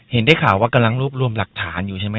ได้ข่าวว่ากำลังรวบรวมหลักฐานอยู่ใช่ไหม